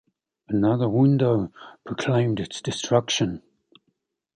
Another window proclaimed its destruction.